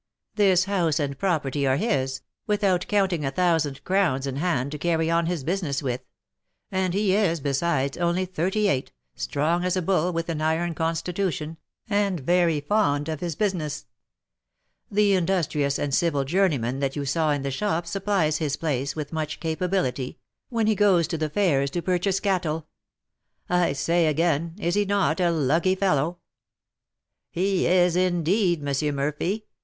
This house and property are his, without counting a thousand crowns in hand to carry on his business with; and he is, besides, only thirty eight, strong as a bull, with an iron constitution, and very fond of his business. The industrious and civil journeyman that you saw in the shop supplies his place, with much capability, when he goes to the fairs to purchase cattle. I say again, is he not a lucky fellow?" "He is, indeed, M. Murphy.